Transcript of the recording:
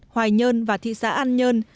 hoài nhơn và thị xã an nhơn